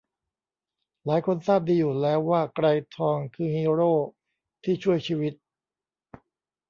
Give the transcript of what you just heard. หลายคนทราบดีอยู่แล้วว่าไกรทองคือฮีโร่ที่ช่วยชีวิต